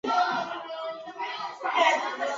她在协定多佛密约中居功甚伟。